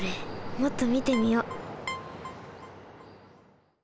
もっとみてみよう。